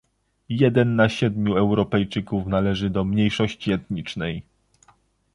Jeden na siedmiu Europejczyków należy do mniejszości etnicznej